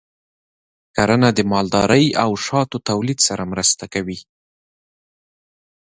کرنه د مالدارۍ او شاتو تولید سره مرسته کوي.